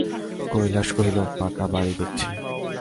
কৈলাস কহিল, পাকা বাড়ি দেখছি!